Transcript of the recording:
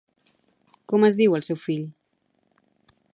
Com es diu el seu fill?